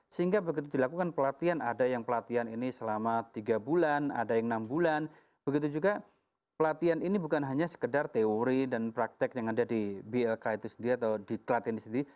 sehingga begitu dilakukan pelatihan ada yang pelatihan ini selama tiga bulan ada yang enam bulan begitu juga pelatihan ini bukan hanya sekedar teori dan praktek yang ada di blk itu sendiri atau di klat ini sendiri